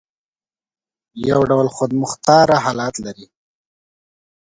یو ډول خودمختار حالت لري.